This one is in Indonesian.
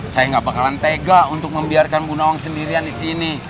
saya nggak bakalan tega untuk membiarkan bu nawang sendirian di sini